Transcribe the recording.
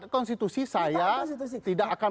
konstitusi saya tidak akan